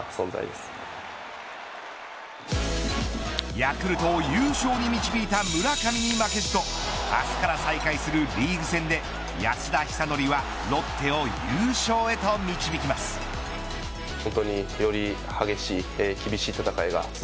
ヤクルトを優勝に導いた村上に負けじと明日から再開するリーグ戦で安田尚憲はロッテを優勝へと導きますの！ど！